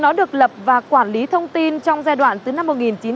nó được lập và quản lý thông tin trong giai đoạn từ năm một nghìn chín trăm bảy mươi